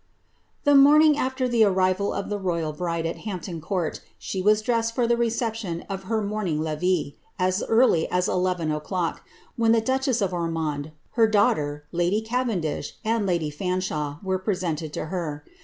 ^he morning after the arrival of the royal bride at Hampton Court, waa dressed for the reception of her morning levee, as early as ^en o'clock, when the duchess of Ormond, her daughter, lady Caven I, and lady Faashawe, were presented to her.